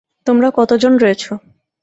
তোমরা কতজন রয়েছো?